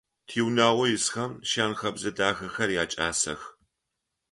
Тиунагъо исхэм шэн-хэбзэ дахэхэр якӀасэх.